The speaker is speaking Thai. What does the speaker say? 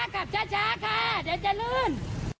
กลับช้าค่ะเดี๋ยวจะลื่น